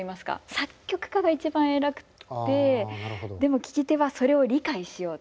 作曲家が一番偉くてでも聴き手はそれを理解しようと。